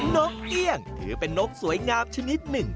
นกเกี้ยงถือเป็นนกสวยงามชนิดหนึ่ง